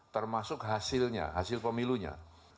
termasuk hasilnya hasil pemilunya